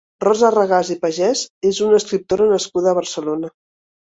Rosa Regàs i Pagès és una escriptora nascuda a Barcelona.